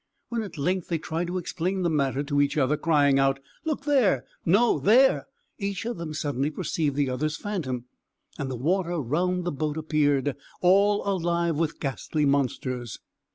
When at length they tried to explain the matter to each other, crying out, "Look there; no, there!" each of them suddenly perceived the other's phantom, and the water round the boat appeared all alive with ghastly monsters.